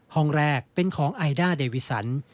ห้องแรกเป็นของไอด้าเดวิสัน